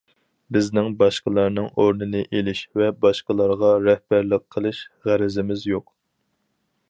بىزنىڭ باشقىلارنىڭ ئورنىنى ئېلىش ۋە باشقىلارغا رەھبەرلىك قىلىش غەرىزىمىز يوق.